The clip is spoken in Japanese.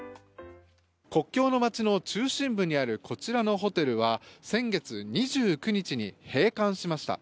国境の街の中心部にあるこちらのホテルは先月２９日に閉館しました。